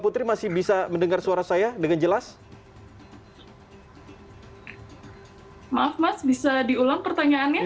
putri masih bisa mendengar suara saya dengan jelas maaf mas bisa diulang pertanyaannya